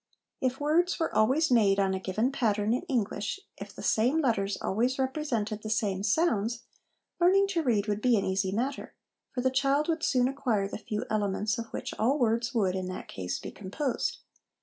If words were always made on a given pattern in English, if the same letters always represented the same sounds, learning to read would be an easy matter ; for the child would soon acquire the few elements of which all words would, in that case, be composed.